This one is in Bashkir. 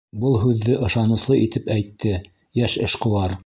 Был һүҙҙе ышаныслы итеп әйтте йәш эшҡыуар.